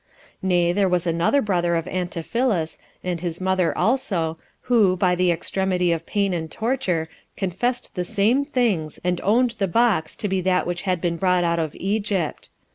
Nay, there was another brother of Antiphilus, and his mother also, who, by the extremity of pain and torture, confessed the same things, and owned the box [to be that which had been brought out of Egypt].